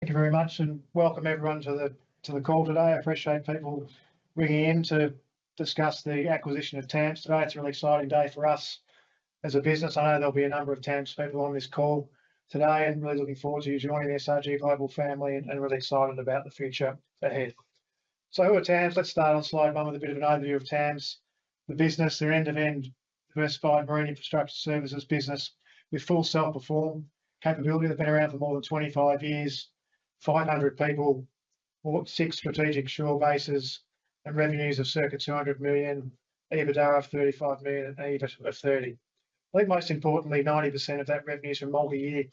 Thank you very much, and welcome everyone to the call today. I appreciate people ringing in to discuss the acquisition of TAMS today. It's a really exciting day for us as a business. I know there'll be a number of TAMS people on this call today, and I'm really looking forward to you joining the SRG Global family and really excited about the future ahead. So who are TAMS? Let's start on slide one with a bit of an overview of TAMS, the business, their end-to-end diversified marine infrastructure services business with full self-perform capability that's been around for more than 25 years, 500 people, six strategic shore bases, and revenues of circa 200 million, EBITDA of 35 million, and EBIT of 30. I think most importantly, 90% of that revenue is from multi-year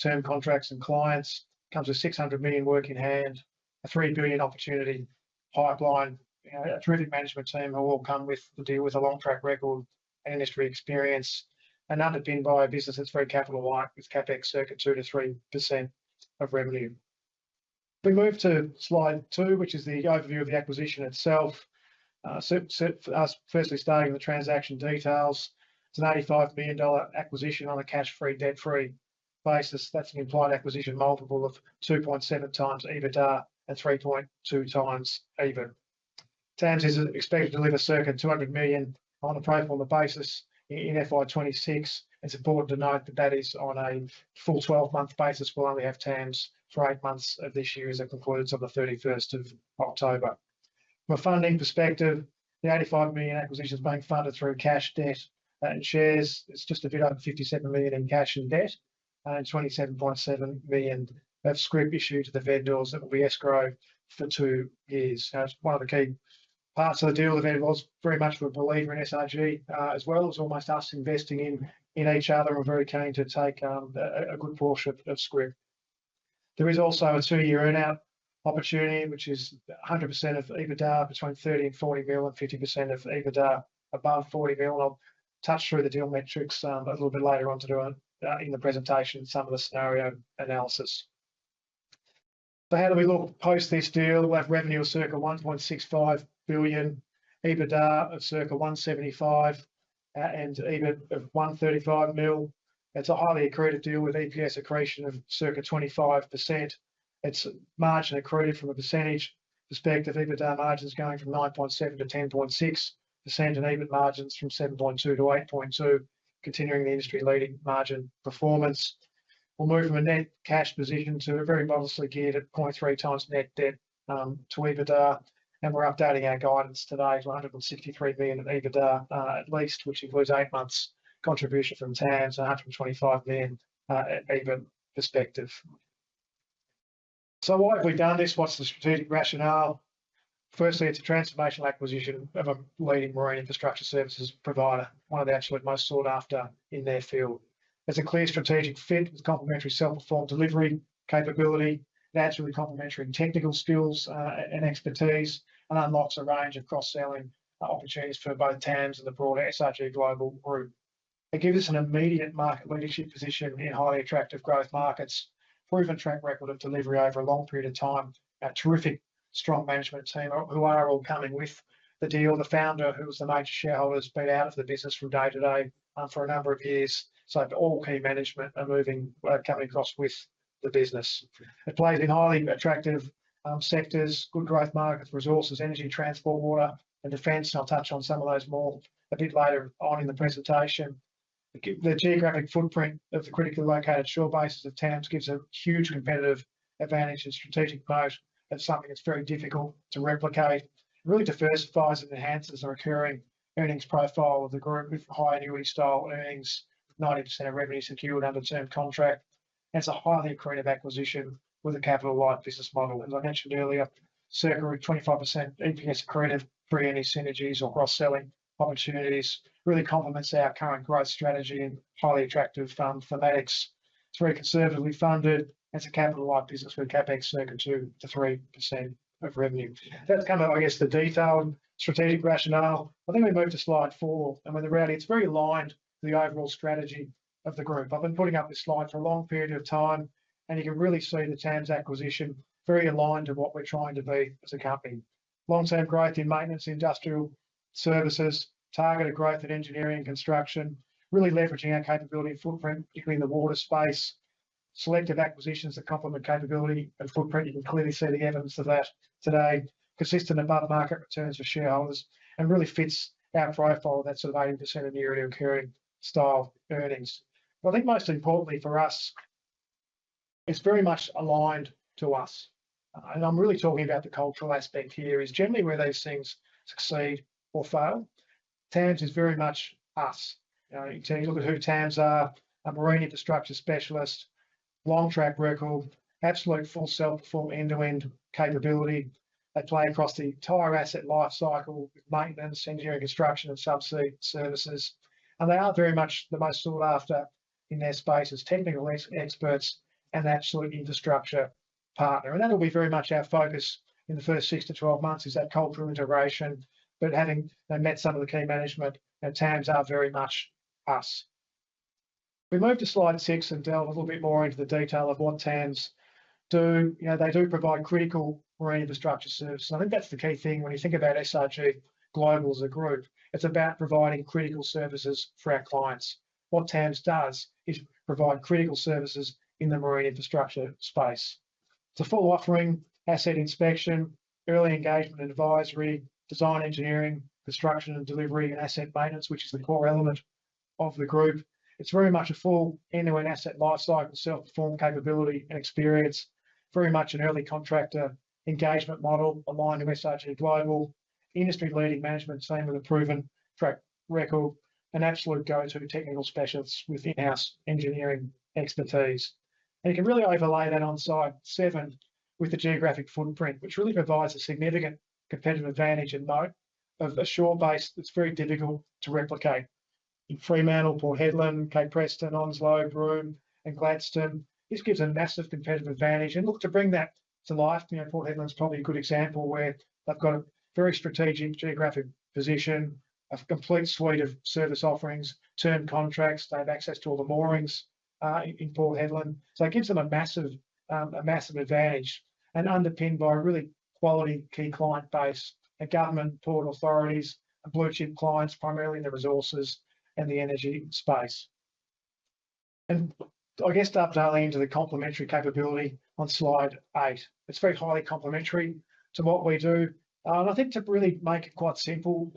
term contracts and clients. It comes with 600 million work in hand, a 3 billion opportunity pipeline, a terrific management team who all come with a deal with a long track record and industry experience, and underpinned by a business that's very capital-like, with CapEx circa 2%-3% of revenue. We move to slide two, which is the overview of the acquisition itself. Firstly, starting with the transaction details, it's an 85 million dollar acquisition on a cash-free, debt-free basis. That's an implied acquisition multiple of 2.7 times EBITDA and 3.2 times EBIT. TAMS is expected to deliver circa 200 million on a profile basis in FY26. It's important to note that that is on a full 12-month basis. We'll only have TAMS for eight months of this year as it concludes on the 31st of October.From a funding perspective, the 85 million acquisition is being funded through cash, debt, and shares. It's just a bit over 57 million in cash and debt, and 27.7 million of scrip issued to the vendors that will be escrowed for two years. One of the key parts of the deal that involves very much with a believer in SRG as well as almost us investing in each other, and we're very keen to take a good portion of scrip. There is also a two-year earnout opportunity, which is 100% of EBITDA between 30 million and 40 million, and 50% of EBITDA above 40 million. I'll touch through the deal metrics a little bit later on today in the presentation and some of the scenario analysis, so how do we look post this deal? We'll have revenue of circa 1.65 billion, EBITDA of circa 175, and EBIT of 135 million.It's a highly accretive deal with EPS accretion of circa 25%. It's margin accreted from a percentage perspective. EBITDA margin is going from 9.7% to 10.6%, and EBIT margins from 7.2% to 8.2%, continuing the industry-leading margin performance. We'll move from a net cash position to a very modestly geared at 0.3 times net debt to EBITDA, and we're updating our guidance today to 163 million in EBITDA at least, which includes eight months' contribution from TAMS and 125 million EBIT perspective. So why have we done this? What's the strategic rationale? Firstly, it's a transformational acquisition of a leading marine infrastructure services provider, one of the absolute most sought after in their field. It's a clear strategic fit with complementary self-perform delivery capability. It adds to the complementary technical skills and expertise and unlocks a range of cross-selling opportunities for both TAMS and the broader SRG Global Group. It gives us an immediate market leadership position in highly attractive growth markets, proven track record of delivery over a long period of time, a terrific strong management team who are all coming with the deal. The founder, who was the major shareholder, has been out of the business from day to day for a number of years. So all key management are coming across with the business. It plays in highly attractive sectors: good growth markets, resources, energy, transport, water, and defence. I'll touch on some of those more a bit later on in the presentation. The geographic footprint of the critically located shore bases of TAMS gives a huge competitive advantage and strategic moat. It's something that's very difficult to replicate. It really diversifies and enhances the recurring earnings profile of the group with high annuity style earnings, 90% of revenue secured under term contract. It's a highly accretive acquisition with a capital-like business model. As I mentioned earlier, circa 25% EPS accretive pre-any synergies or cross-selling opportunities really complements our current growth strategy and highly attractive thematics. It's very conservatively funded. It's a capital-like business with CapEx circa 2%-3% of revenue. So that's kind of, I guess, the detailed strategic rationale. I think we move to slide four, and with the rally, it's very aligned to the overall strategy of the group. I've been putting up this slide for a long period of time, and you can really see the TAMS acquisition very aligned to what we're trying to be as a company. Long-term growth in maintenance, industrial services, targeted growth in engineering and construction, really leveraging our capability and footprint, particularly in the water space. Selective acquisitions that complement capability and footprint. You can clearly see the evidence of that today. Consistent above-market returns for shareholders and really fits our profile of that sort of 80% annuity-occurring style earnings, but I think most importantly for us, it's very much aligned to us, and I'm really talking about the cultural aspect here, is generally where these things succeed or fail. TAMS is very much us. You look at who TAMS are, a marine infrastructure specialist, long track record, absolute full self-perform end-to-end capability. They play across the entire asset life cycle with maintenance, engineering, construction, and subsea services, and they are very much the most sought after in their space as technical experts and the absolute infrastructure partner, and that'll be very much our focus in the first six-12 months is that cultural integration, but having met some of the key management, and TAMS are very much us. We move to slide six and delve a little bit more into the detail of what TAMS do. They do provide critical marine infrastructure services. I think that's the key thing when you think about SRG Global as a group. It's about providing critical services for our clients. What TAMS does is provide critical services in the marine infrastructure space. It's a full offering, asset inspection, early engagement and advisory, design engineering, construction and delivery, and asset maintenance, which is the core element of the group. It's very much a full end-to-end asset life cycle, self-perform capability, and experience. Very much an early contractor engagement model aligned with SRG Global. Industry-leading management, same with a proven track record, and absolute go-to technical specialists with in-house engineering expertise. And you can really overlay that on slide seven with the geographic footprint, which really provides a significant competitive advantage and notable shore base that's very difficult to replicate. In Fremantle, Port Hedland, Cape Preston, Onslow, Broome, and Gladstone, this gives a massive competitive advantage. And look, to bring that to life, Port Hedland's probably a good example where they've got a very strategic geographic position, a complete suite of service offerings, term contracts. They have access to all the moorings in Port Hedland. So it gives them a massive advantage, underpinned by a really quality key client base, government, port authorities, and blue-chip clients, primarily in the resources and the energy space. And I guess dovetailing into the complementary capability on slide eight, it's very highly complementary to what we do. And I think to really make it quite simple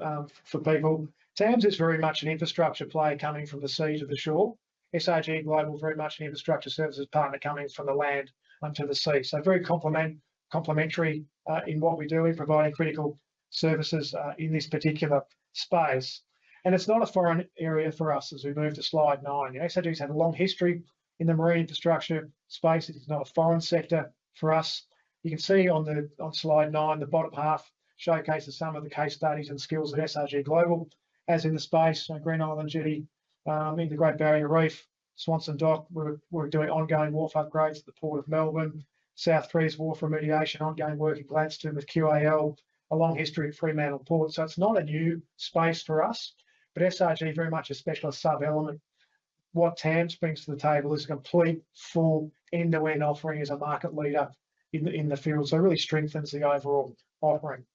for people, TAMS is very much an infrastructure player coming from the sea to the shore. SRG Global is very much an infrastructure services partner coming from the land to the sea. So very complementary in what we do in providing critical services in this particular space. And it's not a foreign area for us as we move to slide nine. SRG has had a long history in the marine infrastructure space. It is not a foreign sector for us. You can see on slide nine, the bottom half showcases some of the case studies and skills at SRG Global, as in the space, Green Island Jetty, in the Great Barrier Reef, Swanson Dock. We're doing ongoing wharf upgrades at the Port of Melbourne, South Trees Wharf remediation, ongoing work in Gladstone with QAL, a long history at Fremantle Port. So it's not a new space for us, but SRG very much a specialist sub-element. What TAMS brings to the table is a complete full end-to-end offering as a market leader in the field. So it really strengthens the overall offering.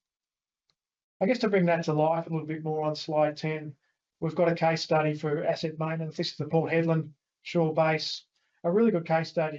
I guess to bring that to life a little bit more on slide 10, we've got a case study for asset maintenance. This is the Port Hedland shore base, a really good case study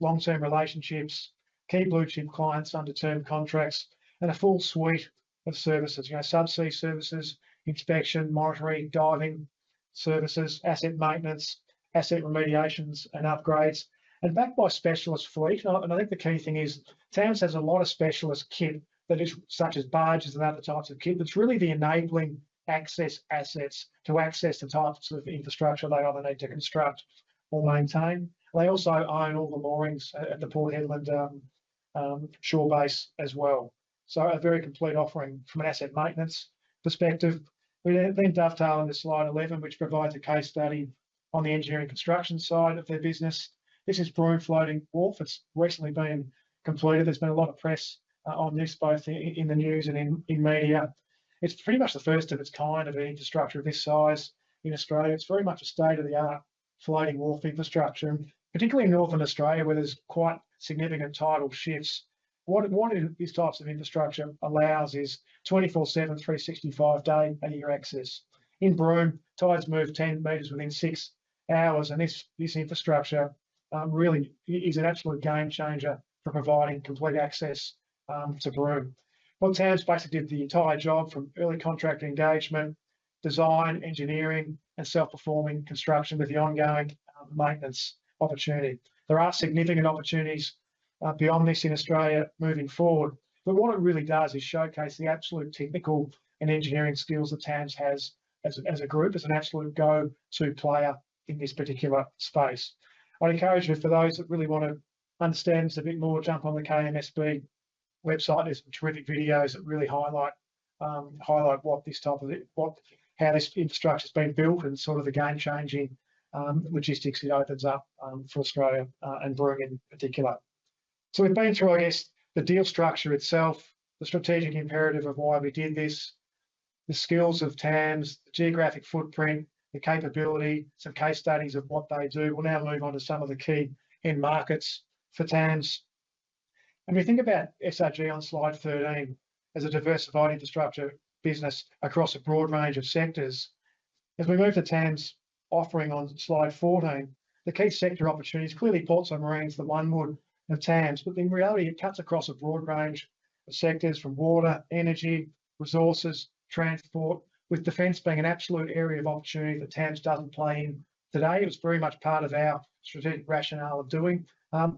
example of long-term relationships, key blue-chip clients under term contracts, and a full suite of services, subsea services, inspection, monitoring, diving services, asset maintenance, asset remediations, and upgrades. And backed by a specialist fleet. And I think the key thing is TAMS has a lot of specialist kit that is such as barges and other types of kit. It's really the enabling access assets to access the types of infrastructure they either need to construct or maintain. They also own all the moorings at the Port Hedland shore base as well, so a very complete offering from an asset maintenance perspective. We then dovetail on to slide 11, which provides a case study on the engineering construction side of their business. This is Broome Floating Wharf. It's recently been completed. There's been a lot of press on this, both in the news and in media. It's pretty much the first of its kind of an infrastructure of this size in Australia. It's very much a state-of-the-art floating wharf infrastructure, particularly in northern Australia, where there's quite significant tidal shifts. What these types of infrastructure allows is 24/7, 365-day-a-year access. In Broome, tides move 10 meters within six hours, and this infrastructure really is an absolute game changer for providing complete access to Broome. Well, TAMS basically did the entire job from early contractor engagement, design, engineering, and self-performing construction with the ongoing maintenance opportunity. There are significant opportunities beyond this in Australia moving forward. But what it really does is showcase the absolute technical and engineering skills that TAMS has as a group, as an absolute go-to player in this particular space. I'd encourage you, for those that really want to understand this a bit more, jump on the KMSB website. There's some terrific videos that really highlight what this type of, how this infrastructure has been built and sort of the game-changing logistics it opens up for Australia and Broome in particular. So we've been through, I guess, the deal structure itself, the strategic imperative of why we did this, the skills of TAMS, the geographic footprint, the capability, some case studies of what they do. We'll now move on to some of the key end markets for TAMS. And we think about SRG on slide 13 as a diversified infrastructure business across a broad range of sectors. As we move to TAMS offering on slide 14, the key sector opportunities, clearly ports and marines are the one wood of TAMS, but in reality, it cuts across a broad range of sectors from water, energy, resources, transport, with defense being an absolute area of opportunity that TAMS doesn't play in today. It was very much part of our strategic rationale of doing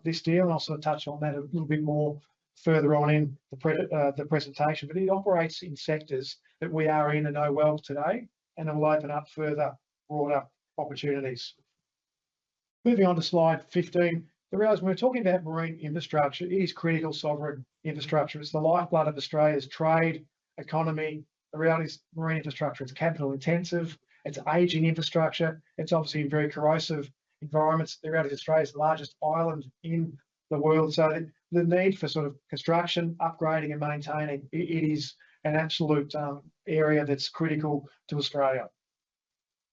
this deal. And I'll sort of touch on that a little bit more further on in the presentation. But it operates in sectors that we are in and know well today, and it will open up further broader opportunities. Moving on to slide 15, the reality when we're talking about marine infrastructure, it is critical sovereign infrastructure. It's the lifeblood of Australia's trade economy. The reality is marine infrastructure is capital-intensive. It's aging infrastructure. It's obviously in very corrosive environments. The reality is Australia's largest island in the world. So the need for sort of construction, upgrading, and maintaining, it is an absolute area that's critical to Australia.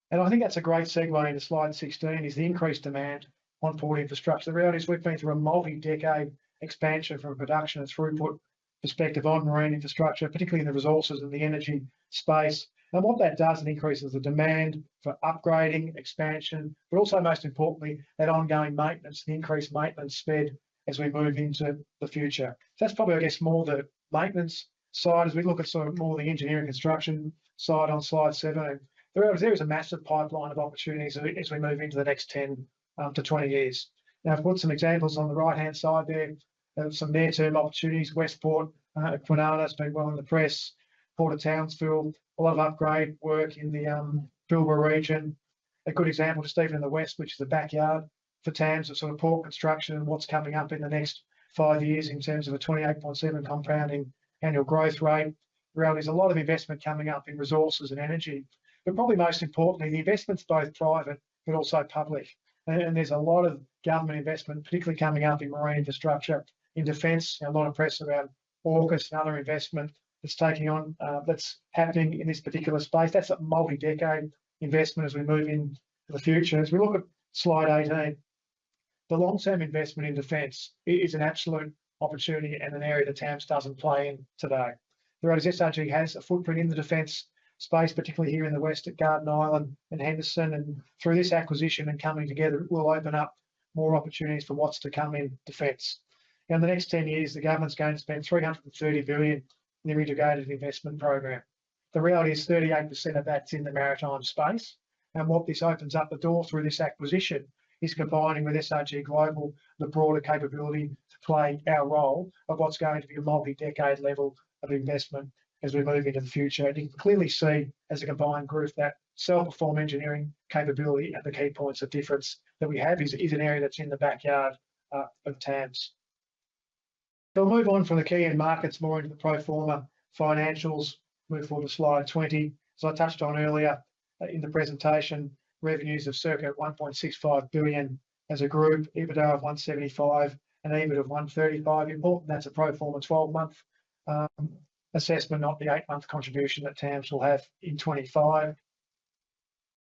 And I think that's a great segue into slide 16, is the increased demand on port infrastructure. The reality is we've been through a multi-decade expansion from a production and throughput perspective on marine infrastructure, particularly in the resources and the energy space. And what that does is it increases the demand for upgrading, expansion, but also most importantly, that ongoing maintenance and increased maintenance spend as we move into the future. So that's probably, I guess, more the maintenance side as we look at sort of more the engineering construction side on slide seven. The reality is there is a massive pipeline of opportunities as we move into the next 10-20 years. Now, I've put some examples on the right-hand side there of some near-term opportunities. Westport at Kwinana has been well in the press. Port of Townsville, a lot of upgrade work in the Pilbara region. A good example is Step in the West, which is the backyard for TAMS of sort of port construction and what's coming up in the next five years in terms of a 28.7 compounding annual growth rate. The reality is a lot of investment coming up in resources and energy, but probably most importantly, the investment's both private but also public. And there's a lot of government investment, particularly coming up in marine infrastructure, in defense. A lot of press around AUKUS and other investment that's taking on that's happening in this particular space. That's a multi-decade investment as we move into the future. As we look at slide 18, the long-term investment in defense is an absolute opportunity and an area that TAMS doesn't play in today. The reality is SRG has a footprint in the defense space, particularly here in the west at Garden Island and Henderson. And through this acquisition and coming together, it will open up more opportunities for what's to come in defense. In the next 10 years, the government's going to spend 330 billion in the Integrated Investment Program. The reality is 38% of that's in the maritime space. And what this opens up the door through this acquisition is combining with SRG Global the broader capability to play our role of what's going to be a multi-decade level of investment as we move into the future. And you can clearly see as a combined group that self-perform engineering capability at the key points of difference that we have is an area that's in the backyard of TAMS. So we'll move on from the key end markets more into the pro forma financials. Move forward to slide 20. As I touched on earlier in the presentation, revenues of circa 1.65 billion as a group, EBITDA of 175, and EBIT of 135. Important, that's a pro forma 12-month assessment, not the 8-month contribution that TAMS will have in 25.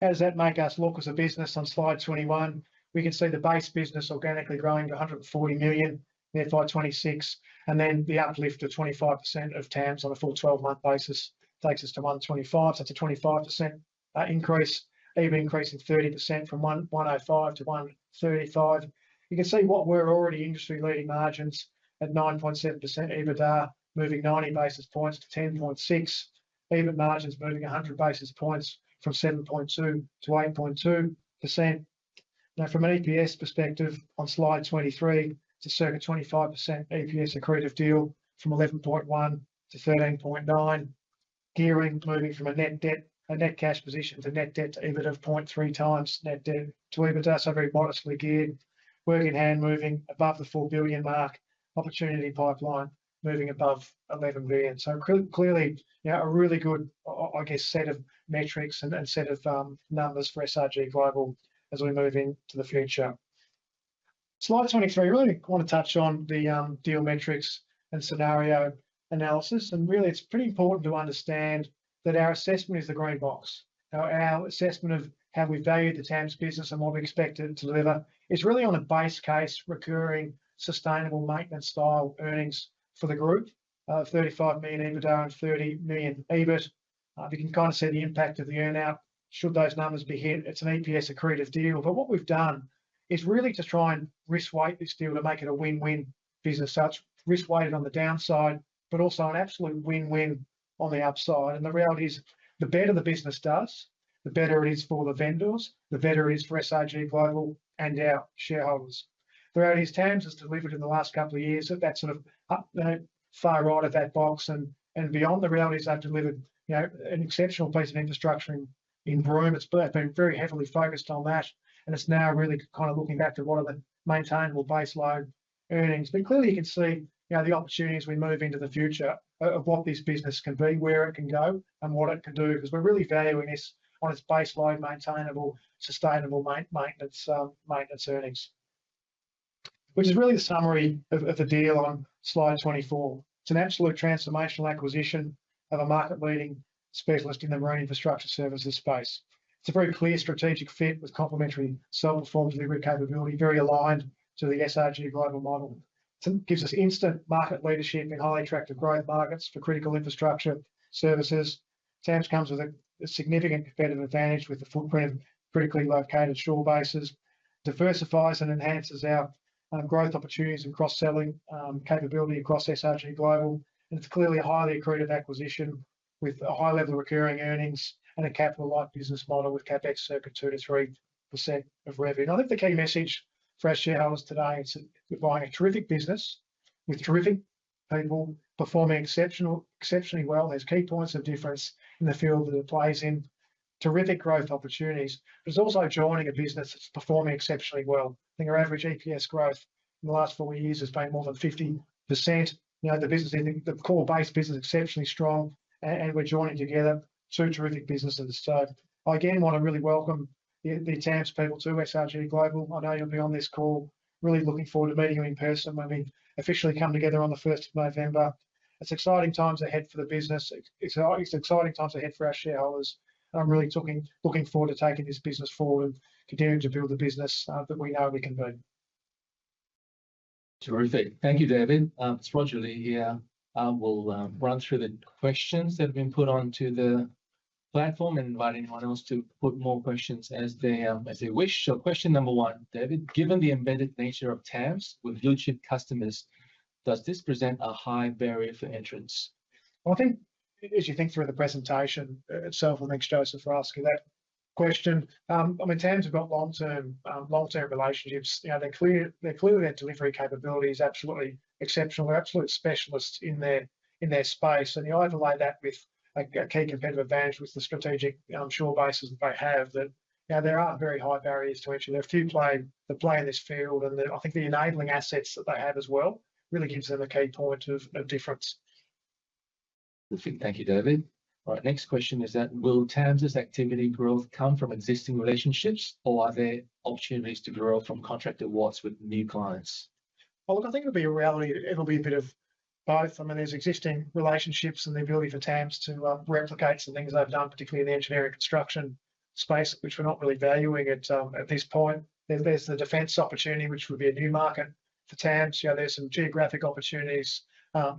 How does that make us look as a business? On Slide 21, we can see the base business organically growing to 140 million, therefore 26. And then the uplift to 25% of TAMS on a full 12-month basis takes us to 125. So it's a 25% increase, EBIT increasing 30% from 105 to 135. You can see what we're already industry-leading margins at 9.7%, EBITDA moving 90 basis points to 10.6%, EBIT margins moving 100 basis points from 7.2% to 8.2%. Now, from an EPS perspective on Slide 23, it's a circa 25% EPS accretive deal from 11.1 to 13.9, gearing moving from a net cash position to net debt to EBIT of 0.3 times net debt to EBITDA. So very modestly geared, work in hand moving above the 4 billion mark, opportunity pipeline moving above 11 billion. So clearly a really good, I guess, set of metrics and set of numbers for SRG Global as we move into the future. Slide 23, I really want to touch on the deal metrics and scenario analysis. And really, it's pretty important to understand that our assessment is the green box. Our assessment of how we value the TAMS business and what we expect it to deliver is really on a base case, recurring sustainable maintenance style earnings for the group of 35 million EBITDA and 30 million EBIT. You can kind of see the impact of the earnout should those numbers be hit. It's an EPS accretive deal. But what we've done is really to try and risk-weight this deal to make it a win-win business. So it's risk-weighted on the downside, but also an absolute win-win on the upside. And the reality is the better the business does, the better it is for the vendors, the better it is for SRG Global and our shareholders. The reality is TAMS has delivered in the last couple of years that that sort of far right of that box and beyond. The reality is they've delivered an exceptional piece of infrastructure in Broome. It's been very heavily focused on that. And it's now really kind of looking back to what are the maintainable baseline earnings. But clearly, you can see the opportunities we move into the future of what this business can be, where it can go, and what it can do. Because we're really valuing this on its baseline maintainable, sustainable maintenance earnings, which is really the summary of the deal on slide 24. It's an absolute transformational acquisition of a market-leading specialist in the marine infrastructure services space. It's a very clear strategic fit with complementary self-perform delivery capability, very aligned to the SRG Global model. It gives us instant market leadership in highly attractive growth markets for critical infrastructure services. TAMS comes with a significant competitive advantage with the footprint of critically located shore bases, diversifies and enhances our growth opportunities and cross-selling capability across SRG Global, and it's clearly a highly accretive acquisition with a high level of recurring earnings and a capital-like business model with CapEx circa 2-3% of revenue. I think the key message for our shareholders today is we're buying a terrific business with terrific people performing exceptionally well. There's key points of difference in the field that it plays in, terrific growth opportunities, but it's also joining a business that's performing exceptionally well. I think our average EPS growth in the last four years has been more than 50%. The core base business is exceptionally strong. And we're joining together two terrific businesses. So I again want to really welcome the TAMS people to SRG Global. I know you'll be on this call. Really looking forward to meeting you in person when we officially come together on the 1st of November. It's exciting times ahead for the business. It's exciting times ahead for our shareholders. And I'm really looking forward to taking this business forward and continuing to build the business that we know we can be. Terrific. Thank you, David. Roger Lee here. We'll run through the questions that have been put onto the platform and invite anyone else to put more questions as they wish. So question number one, David. Given the embedded nature of TAMS with blue-chip customers, does this present a high barrier for entrance? Well, I think as you think through the presentation itself, and thanks, Joseph, for asking that question. I mean, TAMS have got long-term relationships. They're clear that delivery capability is absolutely exceptional. They're absolute specialists in their space. And they overlay that with a key competitive advantage with the strategic shore bases that they have that there aren't very high barriers to entry. There are few players that play in this field. And I think the enabling assets that they have as well really gives them a key point of difference. Terrific. Thank you, David. All right, next question is that will TAMS's activity growth come from existing relationships, or are there opportunities to grow from contract awards with new clients? Well, look, I think it'll be a reality. It'll be a bit of both. I mean, there's existing relationships and the ability for TAMS to replicate some things they've done, particularly in the engineering construction space, which we're not really valuing at this point. There's the defense opportunity, which would be a new market for TAMS. There's some geographic opportunities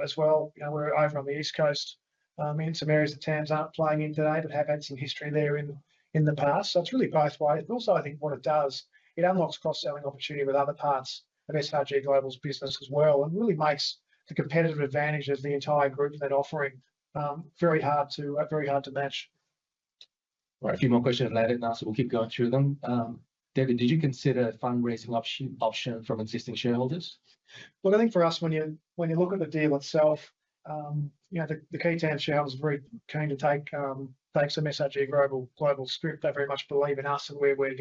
as well. We're over on the East Coast. I mean, some areas that TAMS aren't playing in today but have had some history there in the past. So it's really both ways. But also, I think what it does, it unlocks cross-selling opportunity with other parts of SRG Global's business as well and really makes the competitive advantage of the entire group that they're offering very hard to match. All right, a few more questions later, and we'll keep going through them. David, did you consider a fundraising option from existing shareholders? Well, I think for us, when you look at the deal itself, the key TAMS shareholders are very keen to take some SRG Global scrip. They very much believe in us and where we're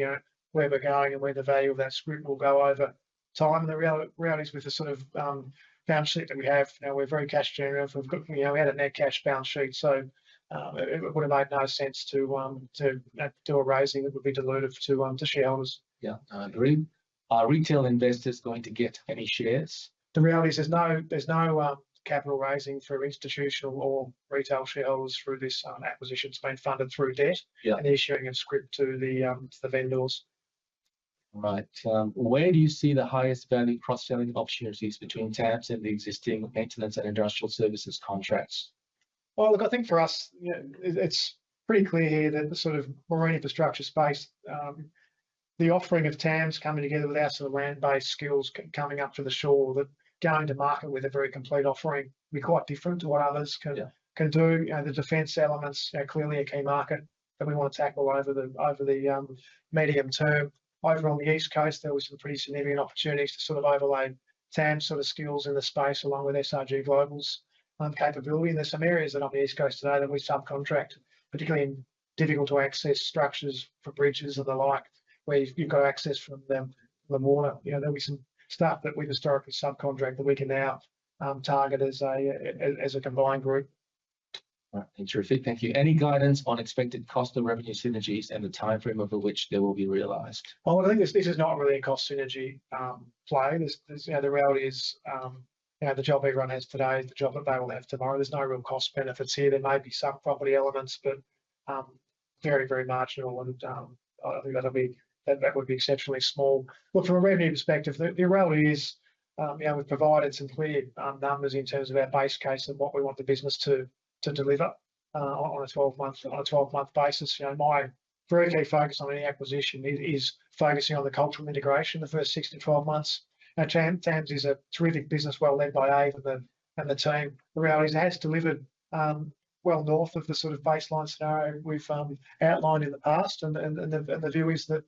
going and where the value of that scrip will go over time. And the reality is with the sort of balance sheet that we have, we're very cash-generative. We had a net cash balance sheet, so it would have made no sense to do a raising that would be dilutive to shareholders. Yeah, I agree. Are retail investors going to get any shares? The reality is there's no capital raising through institutional or retail shareholders through this acquisition. It's been funded through debt and issuing a scrip to the vendors. All right. Where do you see the highest value cross-selling opportunities between TAMS and the existing maintenance and industrial services contracts? Well, look, I think for us, it's pretty clear here that the sort of marine infrastructure space, the offering of TAMS coming together with our sort of land-based skills coming up to the shore, that going to market with a very complete offering will be quite different to what others can do. The defense elements are clearly a key market that we want to tackle over the medium term. Over on the East Coast, there were some pretty significant opportunities to sort of overlay TAMS sort of skills in the space along with SRG Global's capability. And there's some areas that are on the East Coast today that we subcontract, particularly in difficult-to-access structures for bridges and the like, where you've got access from the water. There'll be some stuff that we've historically subcontracted that we can now target as a combined group. All right, terrific. Thank you. Any guidance on expected cost and revenue synergies and the timeframe over which they will be realized? Well, I think this is not really a cost synergy play. The reality is the job everyone has today is the job that they will have tomorrow. There's no real cost benefits here. There may be some property elements, but very, very marginal. And I think that would be exceptionally small. Look, from a revenue perspective, the reality is we've provided some clear numbers in terms of our base case and what we want the business to deliver on a 12-month basis. My very key focus on any acquisition is focusing on the cultural integration, the first 6 to 12 months. TAMS is a terrific business well led by Ava and the team. The reality is it has delivered well north of the sort of baseline scenario we've outlined in the past. And the view is that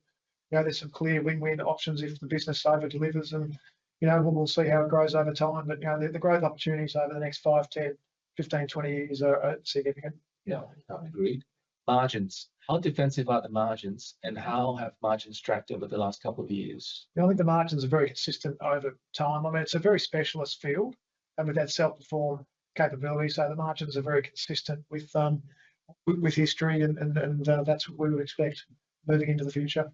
there's some clear win-win options if the business overdelivers. And we'll see how it grows over time. But the growth opportunities over the next five, 10, 15, 20 years are significant. Yeah, I agree. Margins. How defensive are the margins, and how have margins tracked over the last couple of years? I think the margins are very consistent over time. I mean, it's a very specialist field with that self-perform capability. So the margins are very consistent with history, and that's what we would expect moving into the future.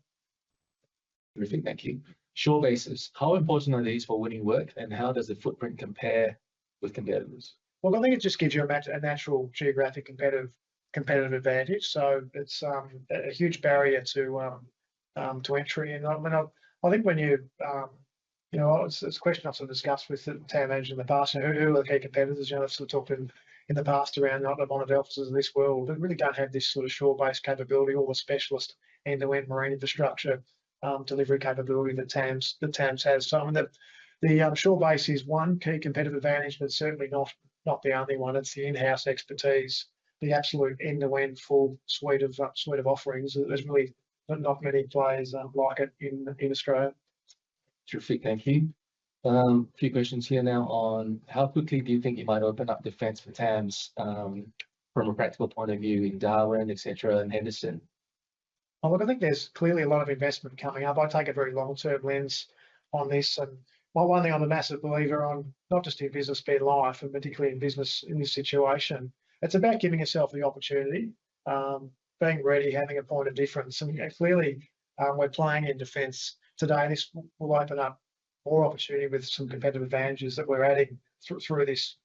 Terrific. Thank you. Shore bases. How important are these for winning work, and how does the footprint compare with competitors? Well, I think it just gives you a natural geographic competitive advantage. So it's a huge barrier to entry. And I think when you. It's a question I've sort of discussed with TAMS in the past. Who are the key competitors? I've sort of talked to them in the past around the Monadelphous in this world that really don't have this sort of shore-based capability or the specialist end-to-end marine infrastructure delivery capability that TAMS has. So I mean, the shore base is one key competitive advantage, but certainly not the only one. It's the in-house expertise, the absolute end-to-end full suite of offerings. There's really not many players like it in Australia. Terrific. Thank you. A few questions here now on how quickly do you think you might open up defense for TAMS from a practical point of view in Darwin, etc., and Henderson? Well, look, I think there's clearly a lot of investment coming up. I take a very long-term lens on this. And while I think I'm a massive believer in not just in business, but in life, and particularly in business in this situation, it's about giving yourself the opportunity, being ready, having a point of difference. And clearly, we're playing in defense today. This will open up more opportunity with some competitive advantages that we're adding through this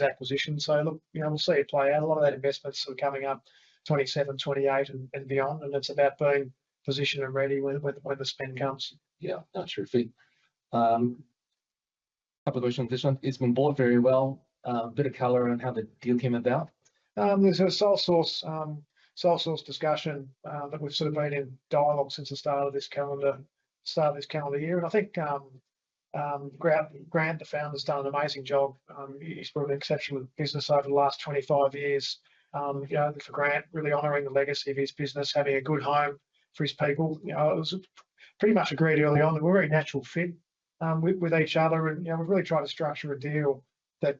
acquisition. So look, we'll see it play out. A lot of that investment's sort of coming up 2027, 2028, and beyond. And it's about being positioned and ready when the spend comes. Yeah, that's terrific. A couple of questions on this one. It's been bought very well. A bit of color on how the deal came about. There's a sole source discussion that we've sort of been in dialogue since the start of this calendar year. And I think Grant, the founder, has done an amazing job. He's brought an exceptional business over the last 25 years. For Grant, really honoring the legacy of his business, having a good home for his people. It was pretty much agreed early on that we're a very natural fit with each other, and we've really tried to structure a deal that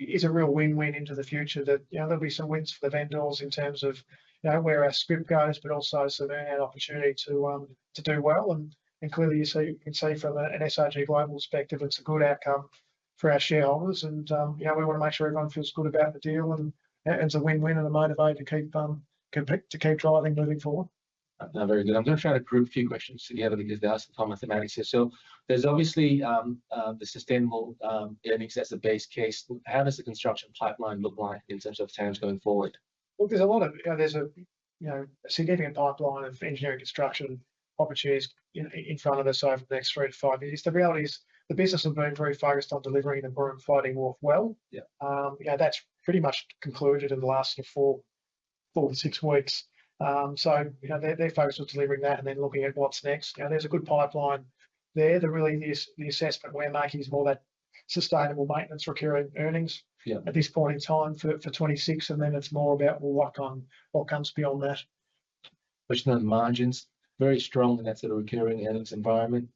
is a real win-win into the future, that there'll be some wins for the vendors in terms of where our scrip goes, but also some in-house opportunity to do well. And clearly, you can see from an SRG Global perspective, it's a good outcome for our shareholders. And we want to make sure everyone feels good about the deal. And it's a win-win and a motivator to keep driving moving forward. Very good. I'm going to try to group a few questions together because there are some common thematics here, so there's obviously the sustainable earnings. That's the base case. How does the construction pipeline look like in terms of TAMS going forward? Look, there's a significant pipeline of engineering construction opportunities in front of us over the next three to five years. The reality is the business has been very focused on delivering the Broome Floating Wharf well. That's pretty much concluded in the last four to six weeks. So they're focused on delivering that and then looking at what's next. There's a good pipeline there. The assessment we're making is more that sustainable maintenance recurring earnings at this point in time for 2026. And then it's more about what comes beyond that. Question on margins. Very strong in that sort of recurring earnings environment.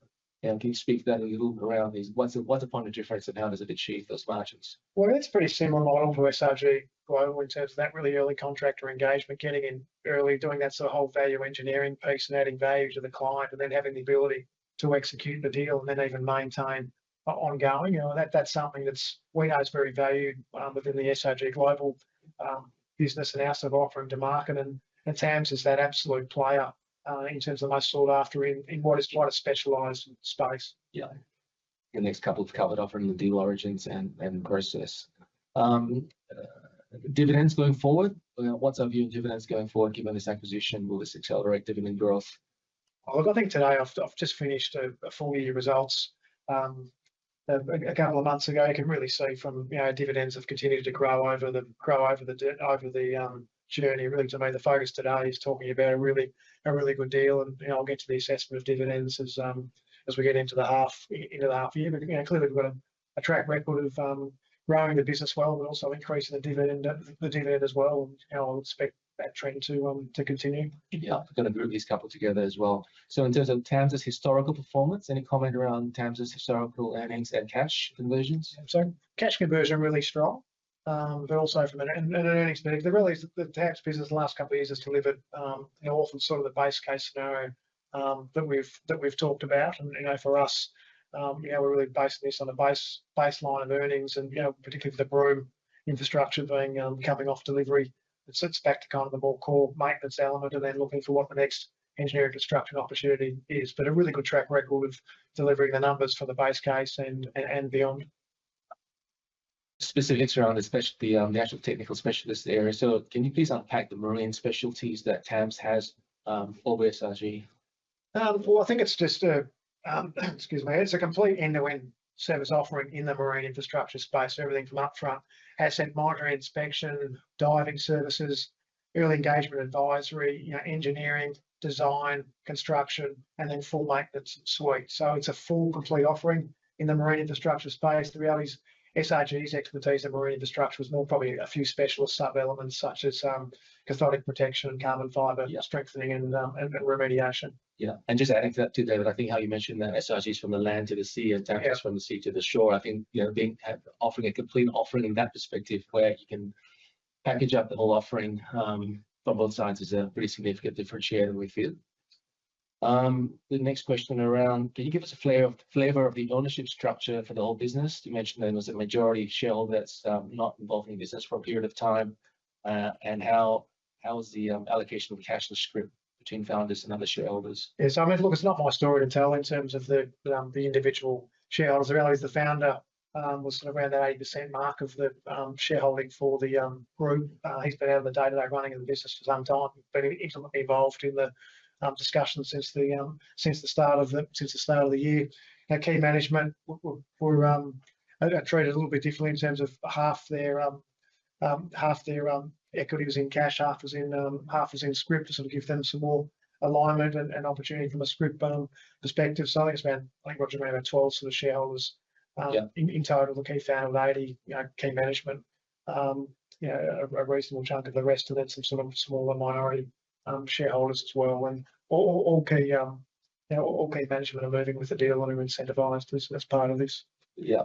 Can you speak to that a little around what's the point of difference and how does it achieve those margins? Well, it's a pretty similar model for SRG Global in terms of that really early contractor engagement, getting in early, doing that sort of whole value engineering piece and adding value to the client, and then having the ability to execute the deal and then even maintain ongoing. That's something that we know is very valued within the SRG Global business and our sort of offering to market. And TAMS is that absolute player in terms of the most sought-after in what a specialized space. Yeah. The next couple we'll cover offering the deal origins and process. Dividends going forward. What's our view on dividends going forward given this acquisition? Will this accelerate dividend growth? Look, I think today I've just finished a full-year results a couple of months ago. You can really see from dividends have continued to grow over the journey. Really, to me, the focus today is talking about a really good deal. And I'll get to the assessment of dividends as we get into the half year. But clearly, we've got a track record of growing the business well, but also increasing the dividend as well. And I would expect that trend to continue. Yeah, I'm going to group these couple together as well. So in terms of TAMS's historical performance, any comment around TAMS's historical earnings and cash conversions? So cash conversion is really strong, but also from an earnings perspective, the TAMS business the last couple of years has delivered often sort of the base case scenario that we've talked about. And for us, we're really basing this on the baseline of earnings, and particularly with the Broome infrastructure coming off delivery. It sits back to kind of the more core maintenance element and then looking for what the next engineering construction opportunity is, but a really good track record of delivering the numbers for the base case and beyond. Specifics around the actual technical specialist area, so can you please unpack the marine specialties that TAMS has for SRG. Well, I think it's just a, excuse me, it's a complete end-to-end service offering in the marine infrastructure space. Everything from upfront, asset monitoring, inspection, diving services, early engagement advisory, engineering, design, construction, and then full maintenance suite, so it's a full, complete offering in the marine infrastructure space. The reality is SRG's expertise in marine infrastructure is more probably a few specialist sub-elements such as cathodic protection, carbon fiber strengthening, and remediation. Yeah. And just adding to that, David, I think how you mentioned that SRG's from the land to the sea and TAMS is from the sea to the shore. I think offering a complete offering in that perspective where you can package up the whole offering from both sides is a pretty significant differentiator, we feel. The next question around, can you give us a flavor of the ownership structure for the whole business? You mentioned there was a majority shareholder that's not involved in business for a period of time. And how is the allocation of cash and scrip between founders and other shareholders? Yeah, so I mean, look, it's not my story to tell in terms of the individual shareholders. The reality is the founder was around that 80% mark of the shareholding for the group. He's been out of the day-to-day running of the business for some time. He's been intimately involved in the discussion since the start of the year. Key management were treated a little bit differently in terms of half their equity was in cash, half was in scrip, to sort of give them some more alignment and opportunity from a scrip perspective, so I think it's around - I think Roger made about 12 sort of shareholders in total, the key founder with 80, key management, a reasonable chunk of the rest, and then some sort of smaller minority shareholders as well, and all key management are moving with the deal on an incentivized basis as part of this. Yeah.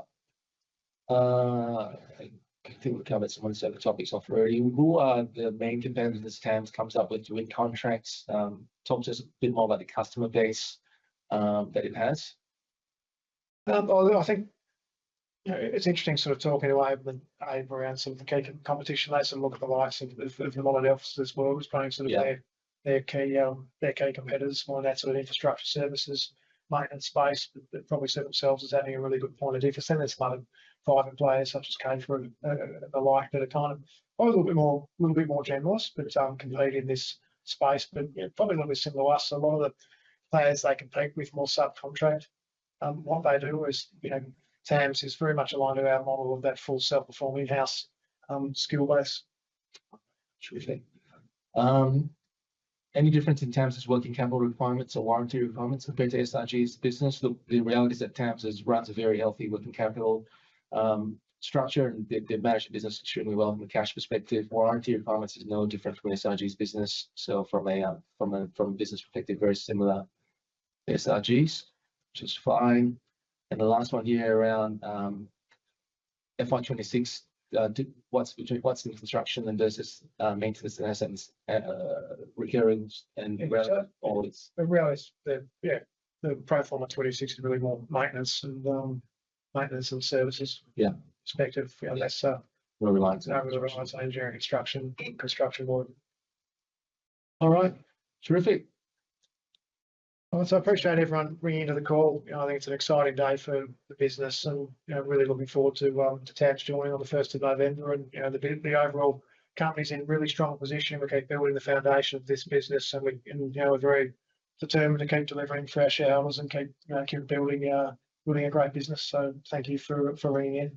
I think we've covered some of the topics already. Who are the main competitors TAMS comes up with doing contracts? Talk to us a bit more about the customer base that it has. I think it's interesting sort of talking about it around some of the competition. Let's look at the likes of Monadelphous as well as playing sort of their key competitors more in that sort of infrastructure services maintenance space, but probably see themselves as having a really good point of difference. Then there's some other private players such as KAEFER and the like, that are kind of a little bit more generalist but compete in this space, but probably a little bit similar to us. A lot of the players they compete with more subcontract. What they do is TAMS is very much aligned to our model of that full self-perform in-house skill base. Any difference in TAMS's working capital requirements or warranty requirements compared to SRG's business? The reality is that TAMS runs a very healthy working capital structure, and they manage the business extremely well from a cash perspective. Warranty requirements are no different from SRG's business. So from a business perspective, very similar to SRG's, which is fine. And the last one here around FY 2026, what's the construction and versus maintenance in essence, recurrings and relative? The reality is the pro forma 26 is really more maintenance and services perspective. We're reliant on engineering construction. Construction board. All right. Terrific. So I appreciate everyone bringing into the call. I think it's an exciting day for the business, and I'm really looking forward to TAMS joining on the 1st of November. And the overall company's in a really strong position. We're building the foundation of this business, and we're very determined to keep delivering fresh hours and keep building a great business. So thank you for ringing in.